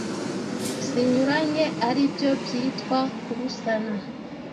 zinyuranye ari byo byitwa kubusana.